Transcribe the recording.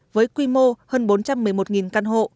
với quy mô hơn bốn trăm một mươi một đồng